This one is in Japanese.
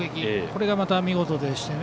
これがまた見事でして。